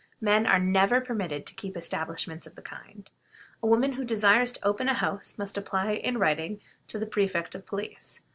Men are never permitted to keep establishments of the kind. A woman who desires to open a house must apply in writing to the Prefect of Police.